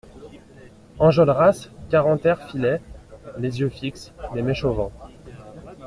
Enjolras, Grantaire filaient, les yeux fixes, les mèches au vent.